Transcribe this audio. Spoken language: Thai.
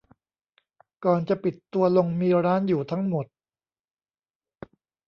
ก่อนจะปิดตัวลงมีร้านอยู่ทั้งหมด